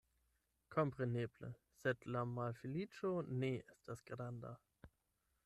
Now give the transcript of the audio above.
Kompreneble, sed la malfeliĉo ne estas granda.